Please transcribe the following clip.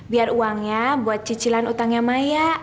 biar uangnya buat cicilan utangnya maya